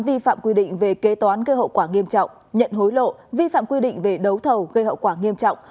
vi phạm quy định về kế toán gây hậu quả nghiêm trọng nhận hối lộ vi phạm quy định về đấu thầu gây hậu quả nghiêm trọng